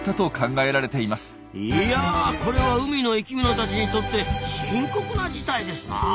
いやこれは海の生きものたちにとって深刻な事態ですなあ。